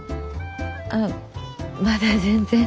あまだ全然。